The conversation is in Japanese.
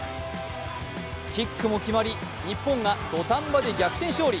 キックも決まり、日本が土壇場で逆転勝利。